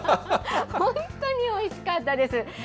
本当においしかったです。